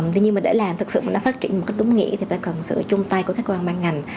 tuy nhiên mà để làm thực sự mà nó phát triển một cách đúng nghĩa thì phải cần sự chung tay của các cơ quan ban ngành